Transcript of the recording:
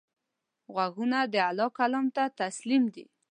غوږونه د الله کلام ته تسلیم دي